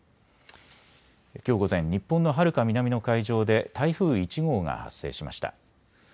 きょう午前、日本のはるか南の海上で台風１号が発生しました。